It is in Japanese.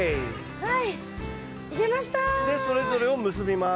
はい。